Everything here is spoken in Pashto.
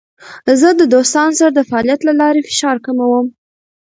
زه د دوستانو سره د فعالیت له لارې فشار کموم.